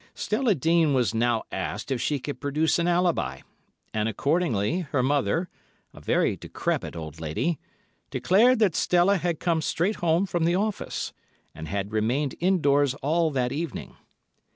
] Stella Dean was now asked if she could produce an alibi; and, accordingly, her mother, a very decrepit old lady, declared that Stella had come straight home from the office, and had remained indoors all that evening.